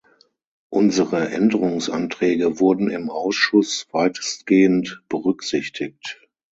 Unsere Änderungsanträge wurden im Ausschuss weitestgehend berücksichtigt.